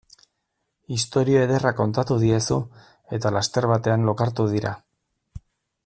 Istorio ederra kontatu diezu eta laster batean lokartu dira.